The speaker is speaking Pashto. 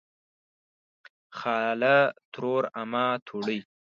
خاله ترور امه توړۍ